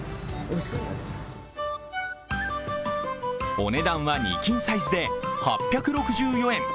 お値段は２斤サイズで８６４円。